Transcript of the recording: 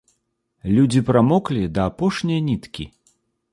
Людзі прамоклі да апошняй ніткі.